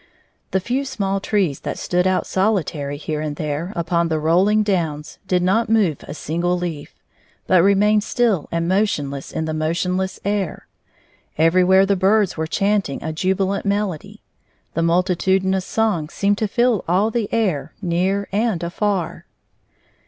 The few small trees that stood out solitary here and there upon the rolling downs did not move a single leaf, but remained still and motionless in the motionless air. Every where the birds were chanting a jubilant melody. The multitudinous song seemed to fill all the air near and afar.